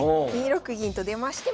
２六銀と出まして。